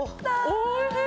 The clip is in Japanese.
おいしい！